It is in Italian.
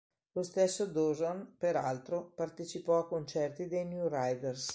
Lo stesso Dawson peraltro partecipò a concerti dei New Riders.